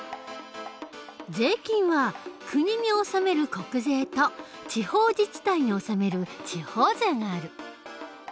税金は国に納める国税と地方自治体に納める地方税がある。